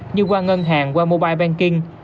như qua ngân hàng qua mobile banking